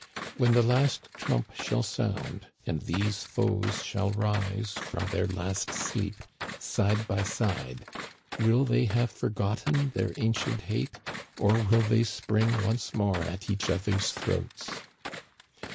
When the last trump shall sound, and these foes shall rise from their last sleep side by side, will they have forgotten their ancient hate, or will they spring once more at each other's throats